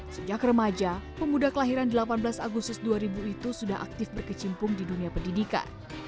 sejak remaja pemuda kelahiran delapan belas agustus dua ribu itu sudah aktif berkecimpung di dunia pendidikan